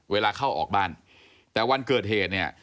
เวลาเข้าออกบ้านแต่วันเกิดเหตุเนี่ย